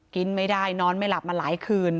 กินไม่ได้นอนไม่หลับมาหลายคืน